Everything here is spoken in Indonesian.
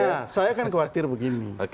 ya saya kan khawatir begini